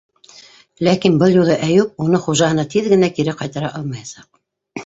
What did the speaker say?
Ләкин был юлы Әйүп уны хужаһына тиҙ генә кире ҡайтара алмаясаҡ.